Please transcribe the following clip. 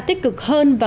tích cực hơn